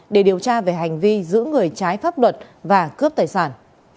để điều tra về hành vi giữ người trái pháp luật và cướp tài sản